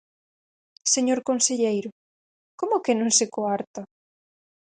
Señor conselleiro, ¿como que non se coarta?